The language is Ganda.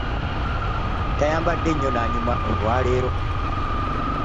Yayambadde nnyo nanyuma olwaleero.